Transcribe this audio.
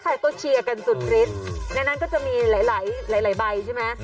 ใครก็เชียร์กันสุดฤทธิ์ในนั้นก็จะมีหลายหลายใบใช่ไหม